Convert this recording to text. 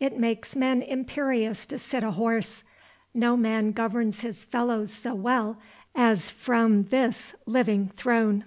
It makes men imperious to sit a horse; no man governs his fellows so well as from this living throne.